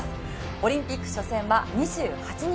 オリンピック初戦は２８日。